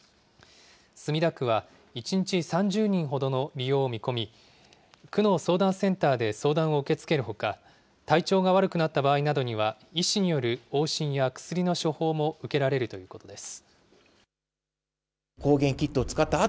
墨田区は１日３０人ほどの利用を見込み、区の相談センターで相談を受け付けるほか、体調が悪くなった場合などには、医師による往診や薬の処方も受けられるということです。